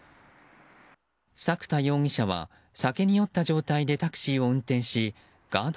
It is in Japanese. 作田容疑者は酒に酔った状態でタクシーを運転しガード